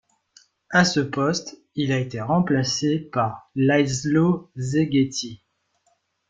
À ce poste, il a été remplacé par László Szigeti.